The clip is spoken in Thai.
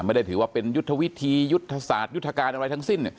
ไม่ได้ถือว่าเป็นยุทธวิธียุทธศาสตร์ยุทธการอะไรทั้งสิ้น